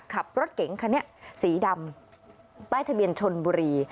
ขับรถเก๋งค่ะเนี่ยสีดำใบ้ทะเบียนชนบุรี